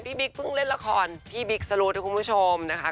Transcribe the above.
บิ๊กเพิ่งเล่นละครพี่บิ๊กสรุธนะคุณผู้ชมนะคะ